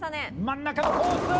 真ん中のコース